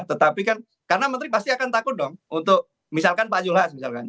tetapi kan karena menteri pasti akan takut dong untuk misalkan pak zulhas misalkan